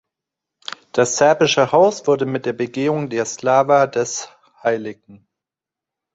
Das serbische Haus wurde mit der Begehung der Slava des Hl.